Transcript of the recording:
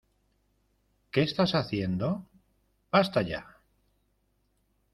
¿ Qué estás haciendo? ¡ basta ya!